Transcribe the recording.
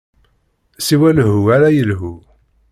Siwa lehhu ara yelhu.